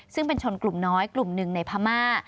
ซึ่งเป็นชนกลุ่มน้อยกลุ่มหนึ่งในพม่า